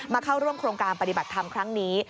เข้าร่วมโครงการปฏิบัติธรรมครั้งนี้